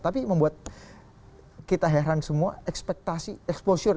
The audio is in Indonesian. tapi membuat kita heran semua ekspektasi exposure